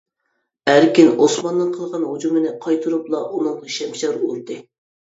ئەركىن ئوسماننىڭ قىلغان ھۇجۇمىنى قايتۇرۇپلا ئۇنىڭغا شەمشەر ئۇردى.